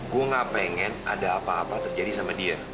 gue gak pengen ada apa apa terjadi sama dia